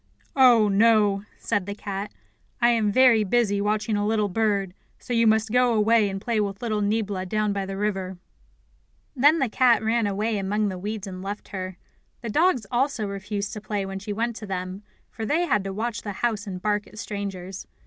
"Oh, no," said the cat. "I am very busy watching a little bird, so you must go away and play with little Niebla down by the river." Then the cat ran away among the weeds and left her. The dogs also refused to play when she went to them, for they had to watch the house and bark at strangers.